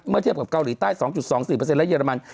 เทียบกับเกาหลีใต้๒๒๔และเรมัน